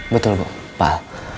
betul bu pak